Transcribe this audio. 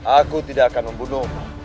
aku tidak akan membunuhmu